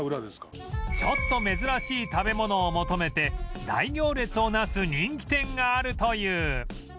ちょっと珍しい食べ物を求めて大行列をなす人気店があるという